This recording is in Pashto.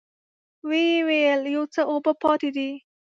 ويې ويل: يو څه اوبه پاتې دي.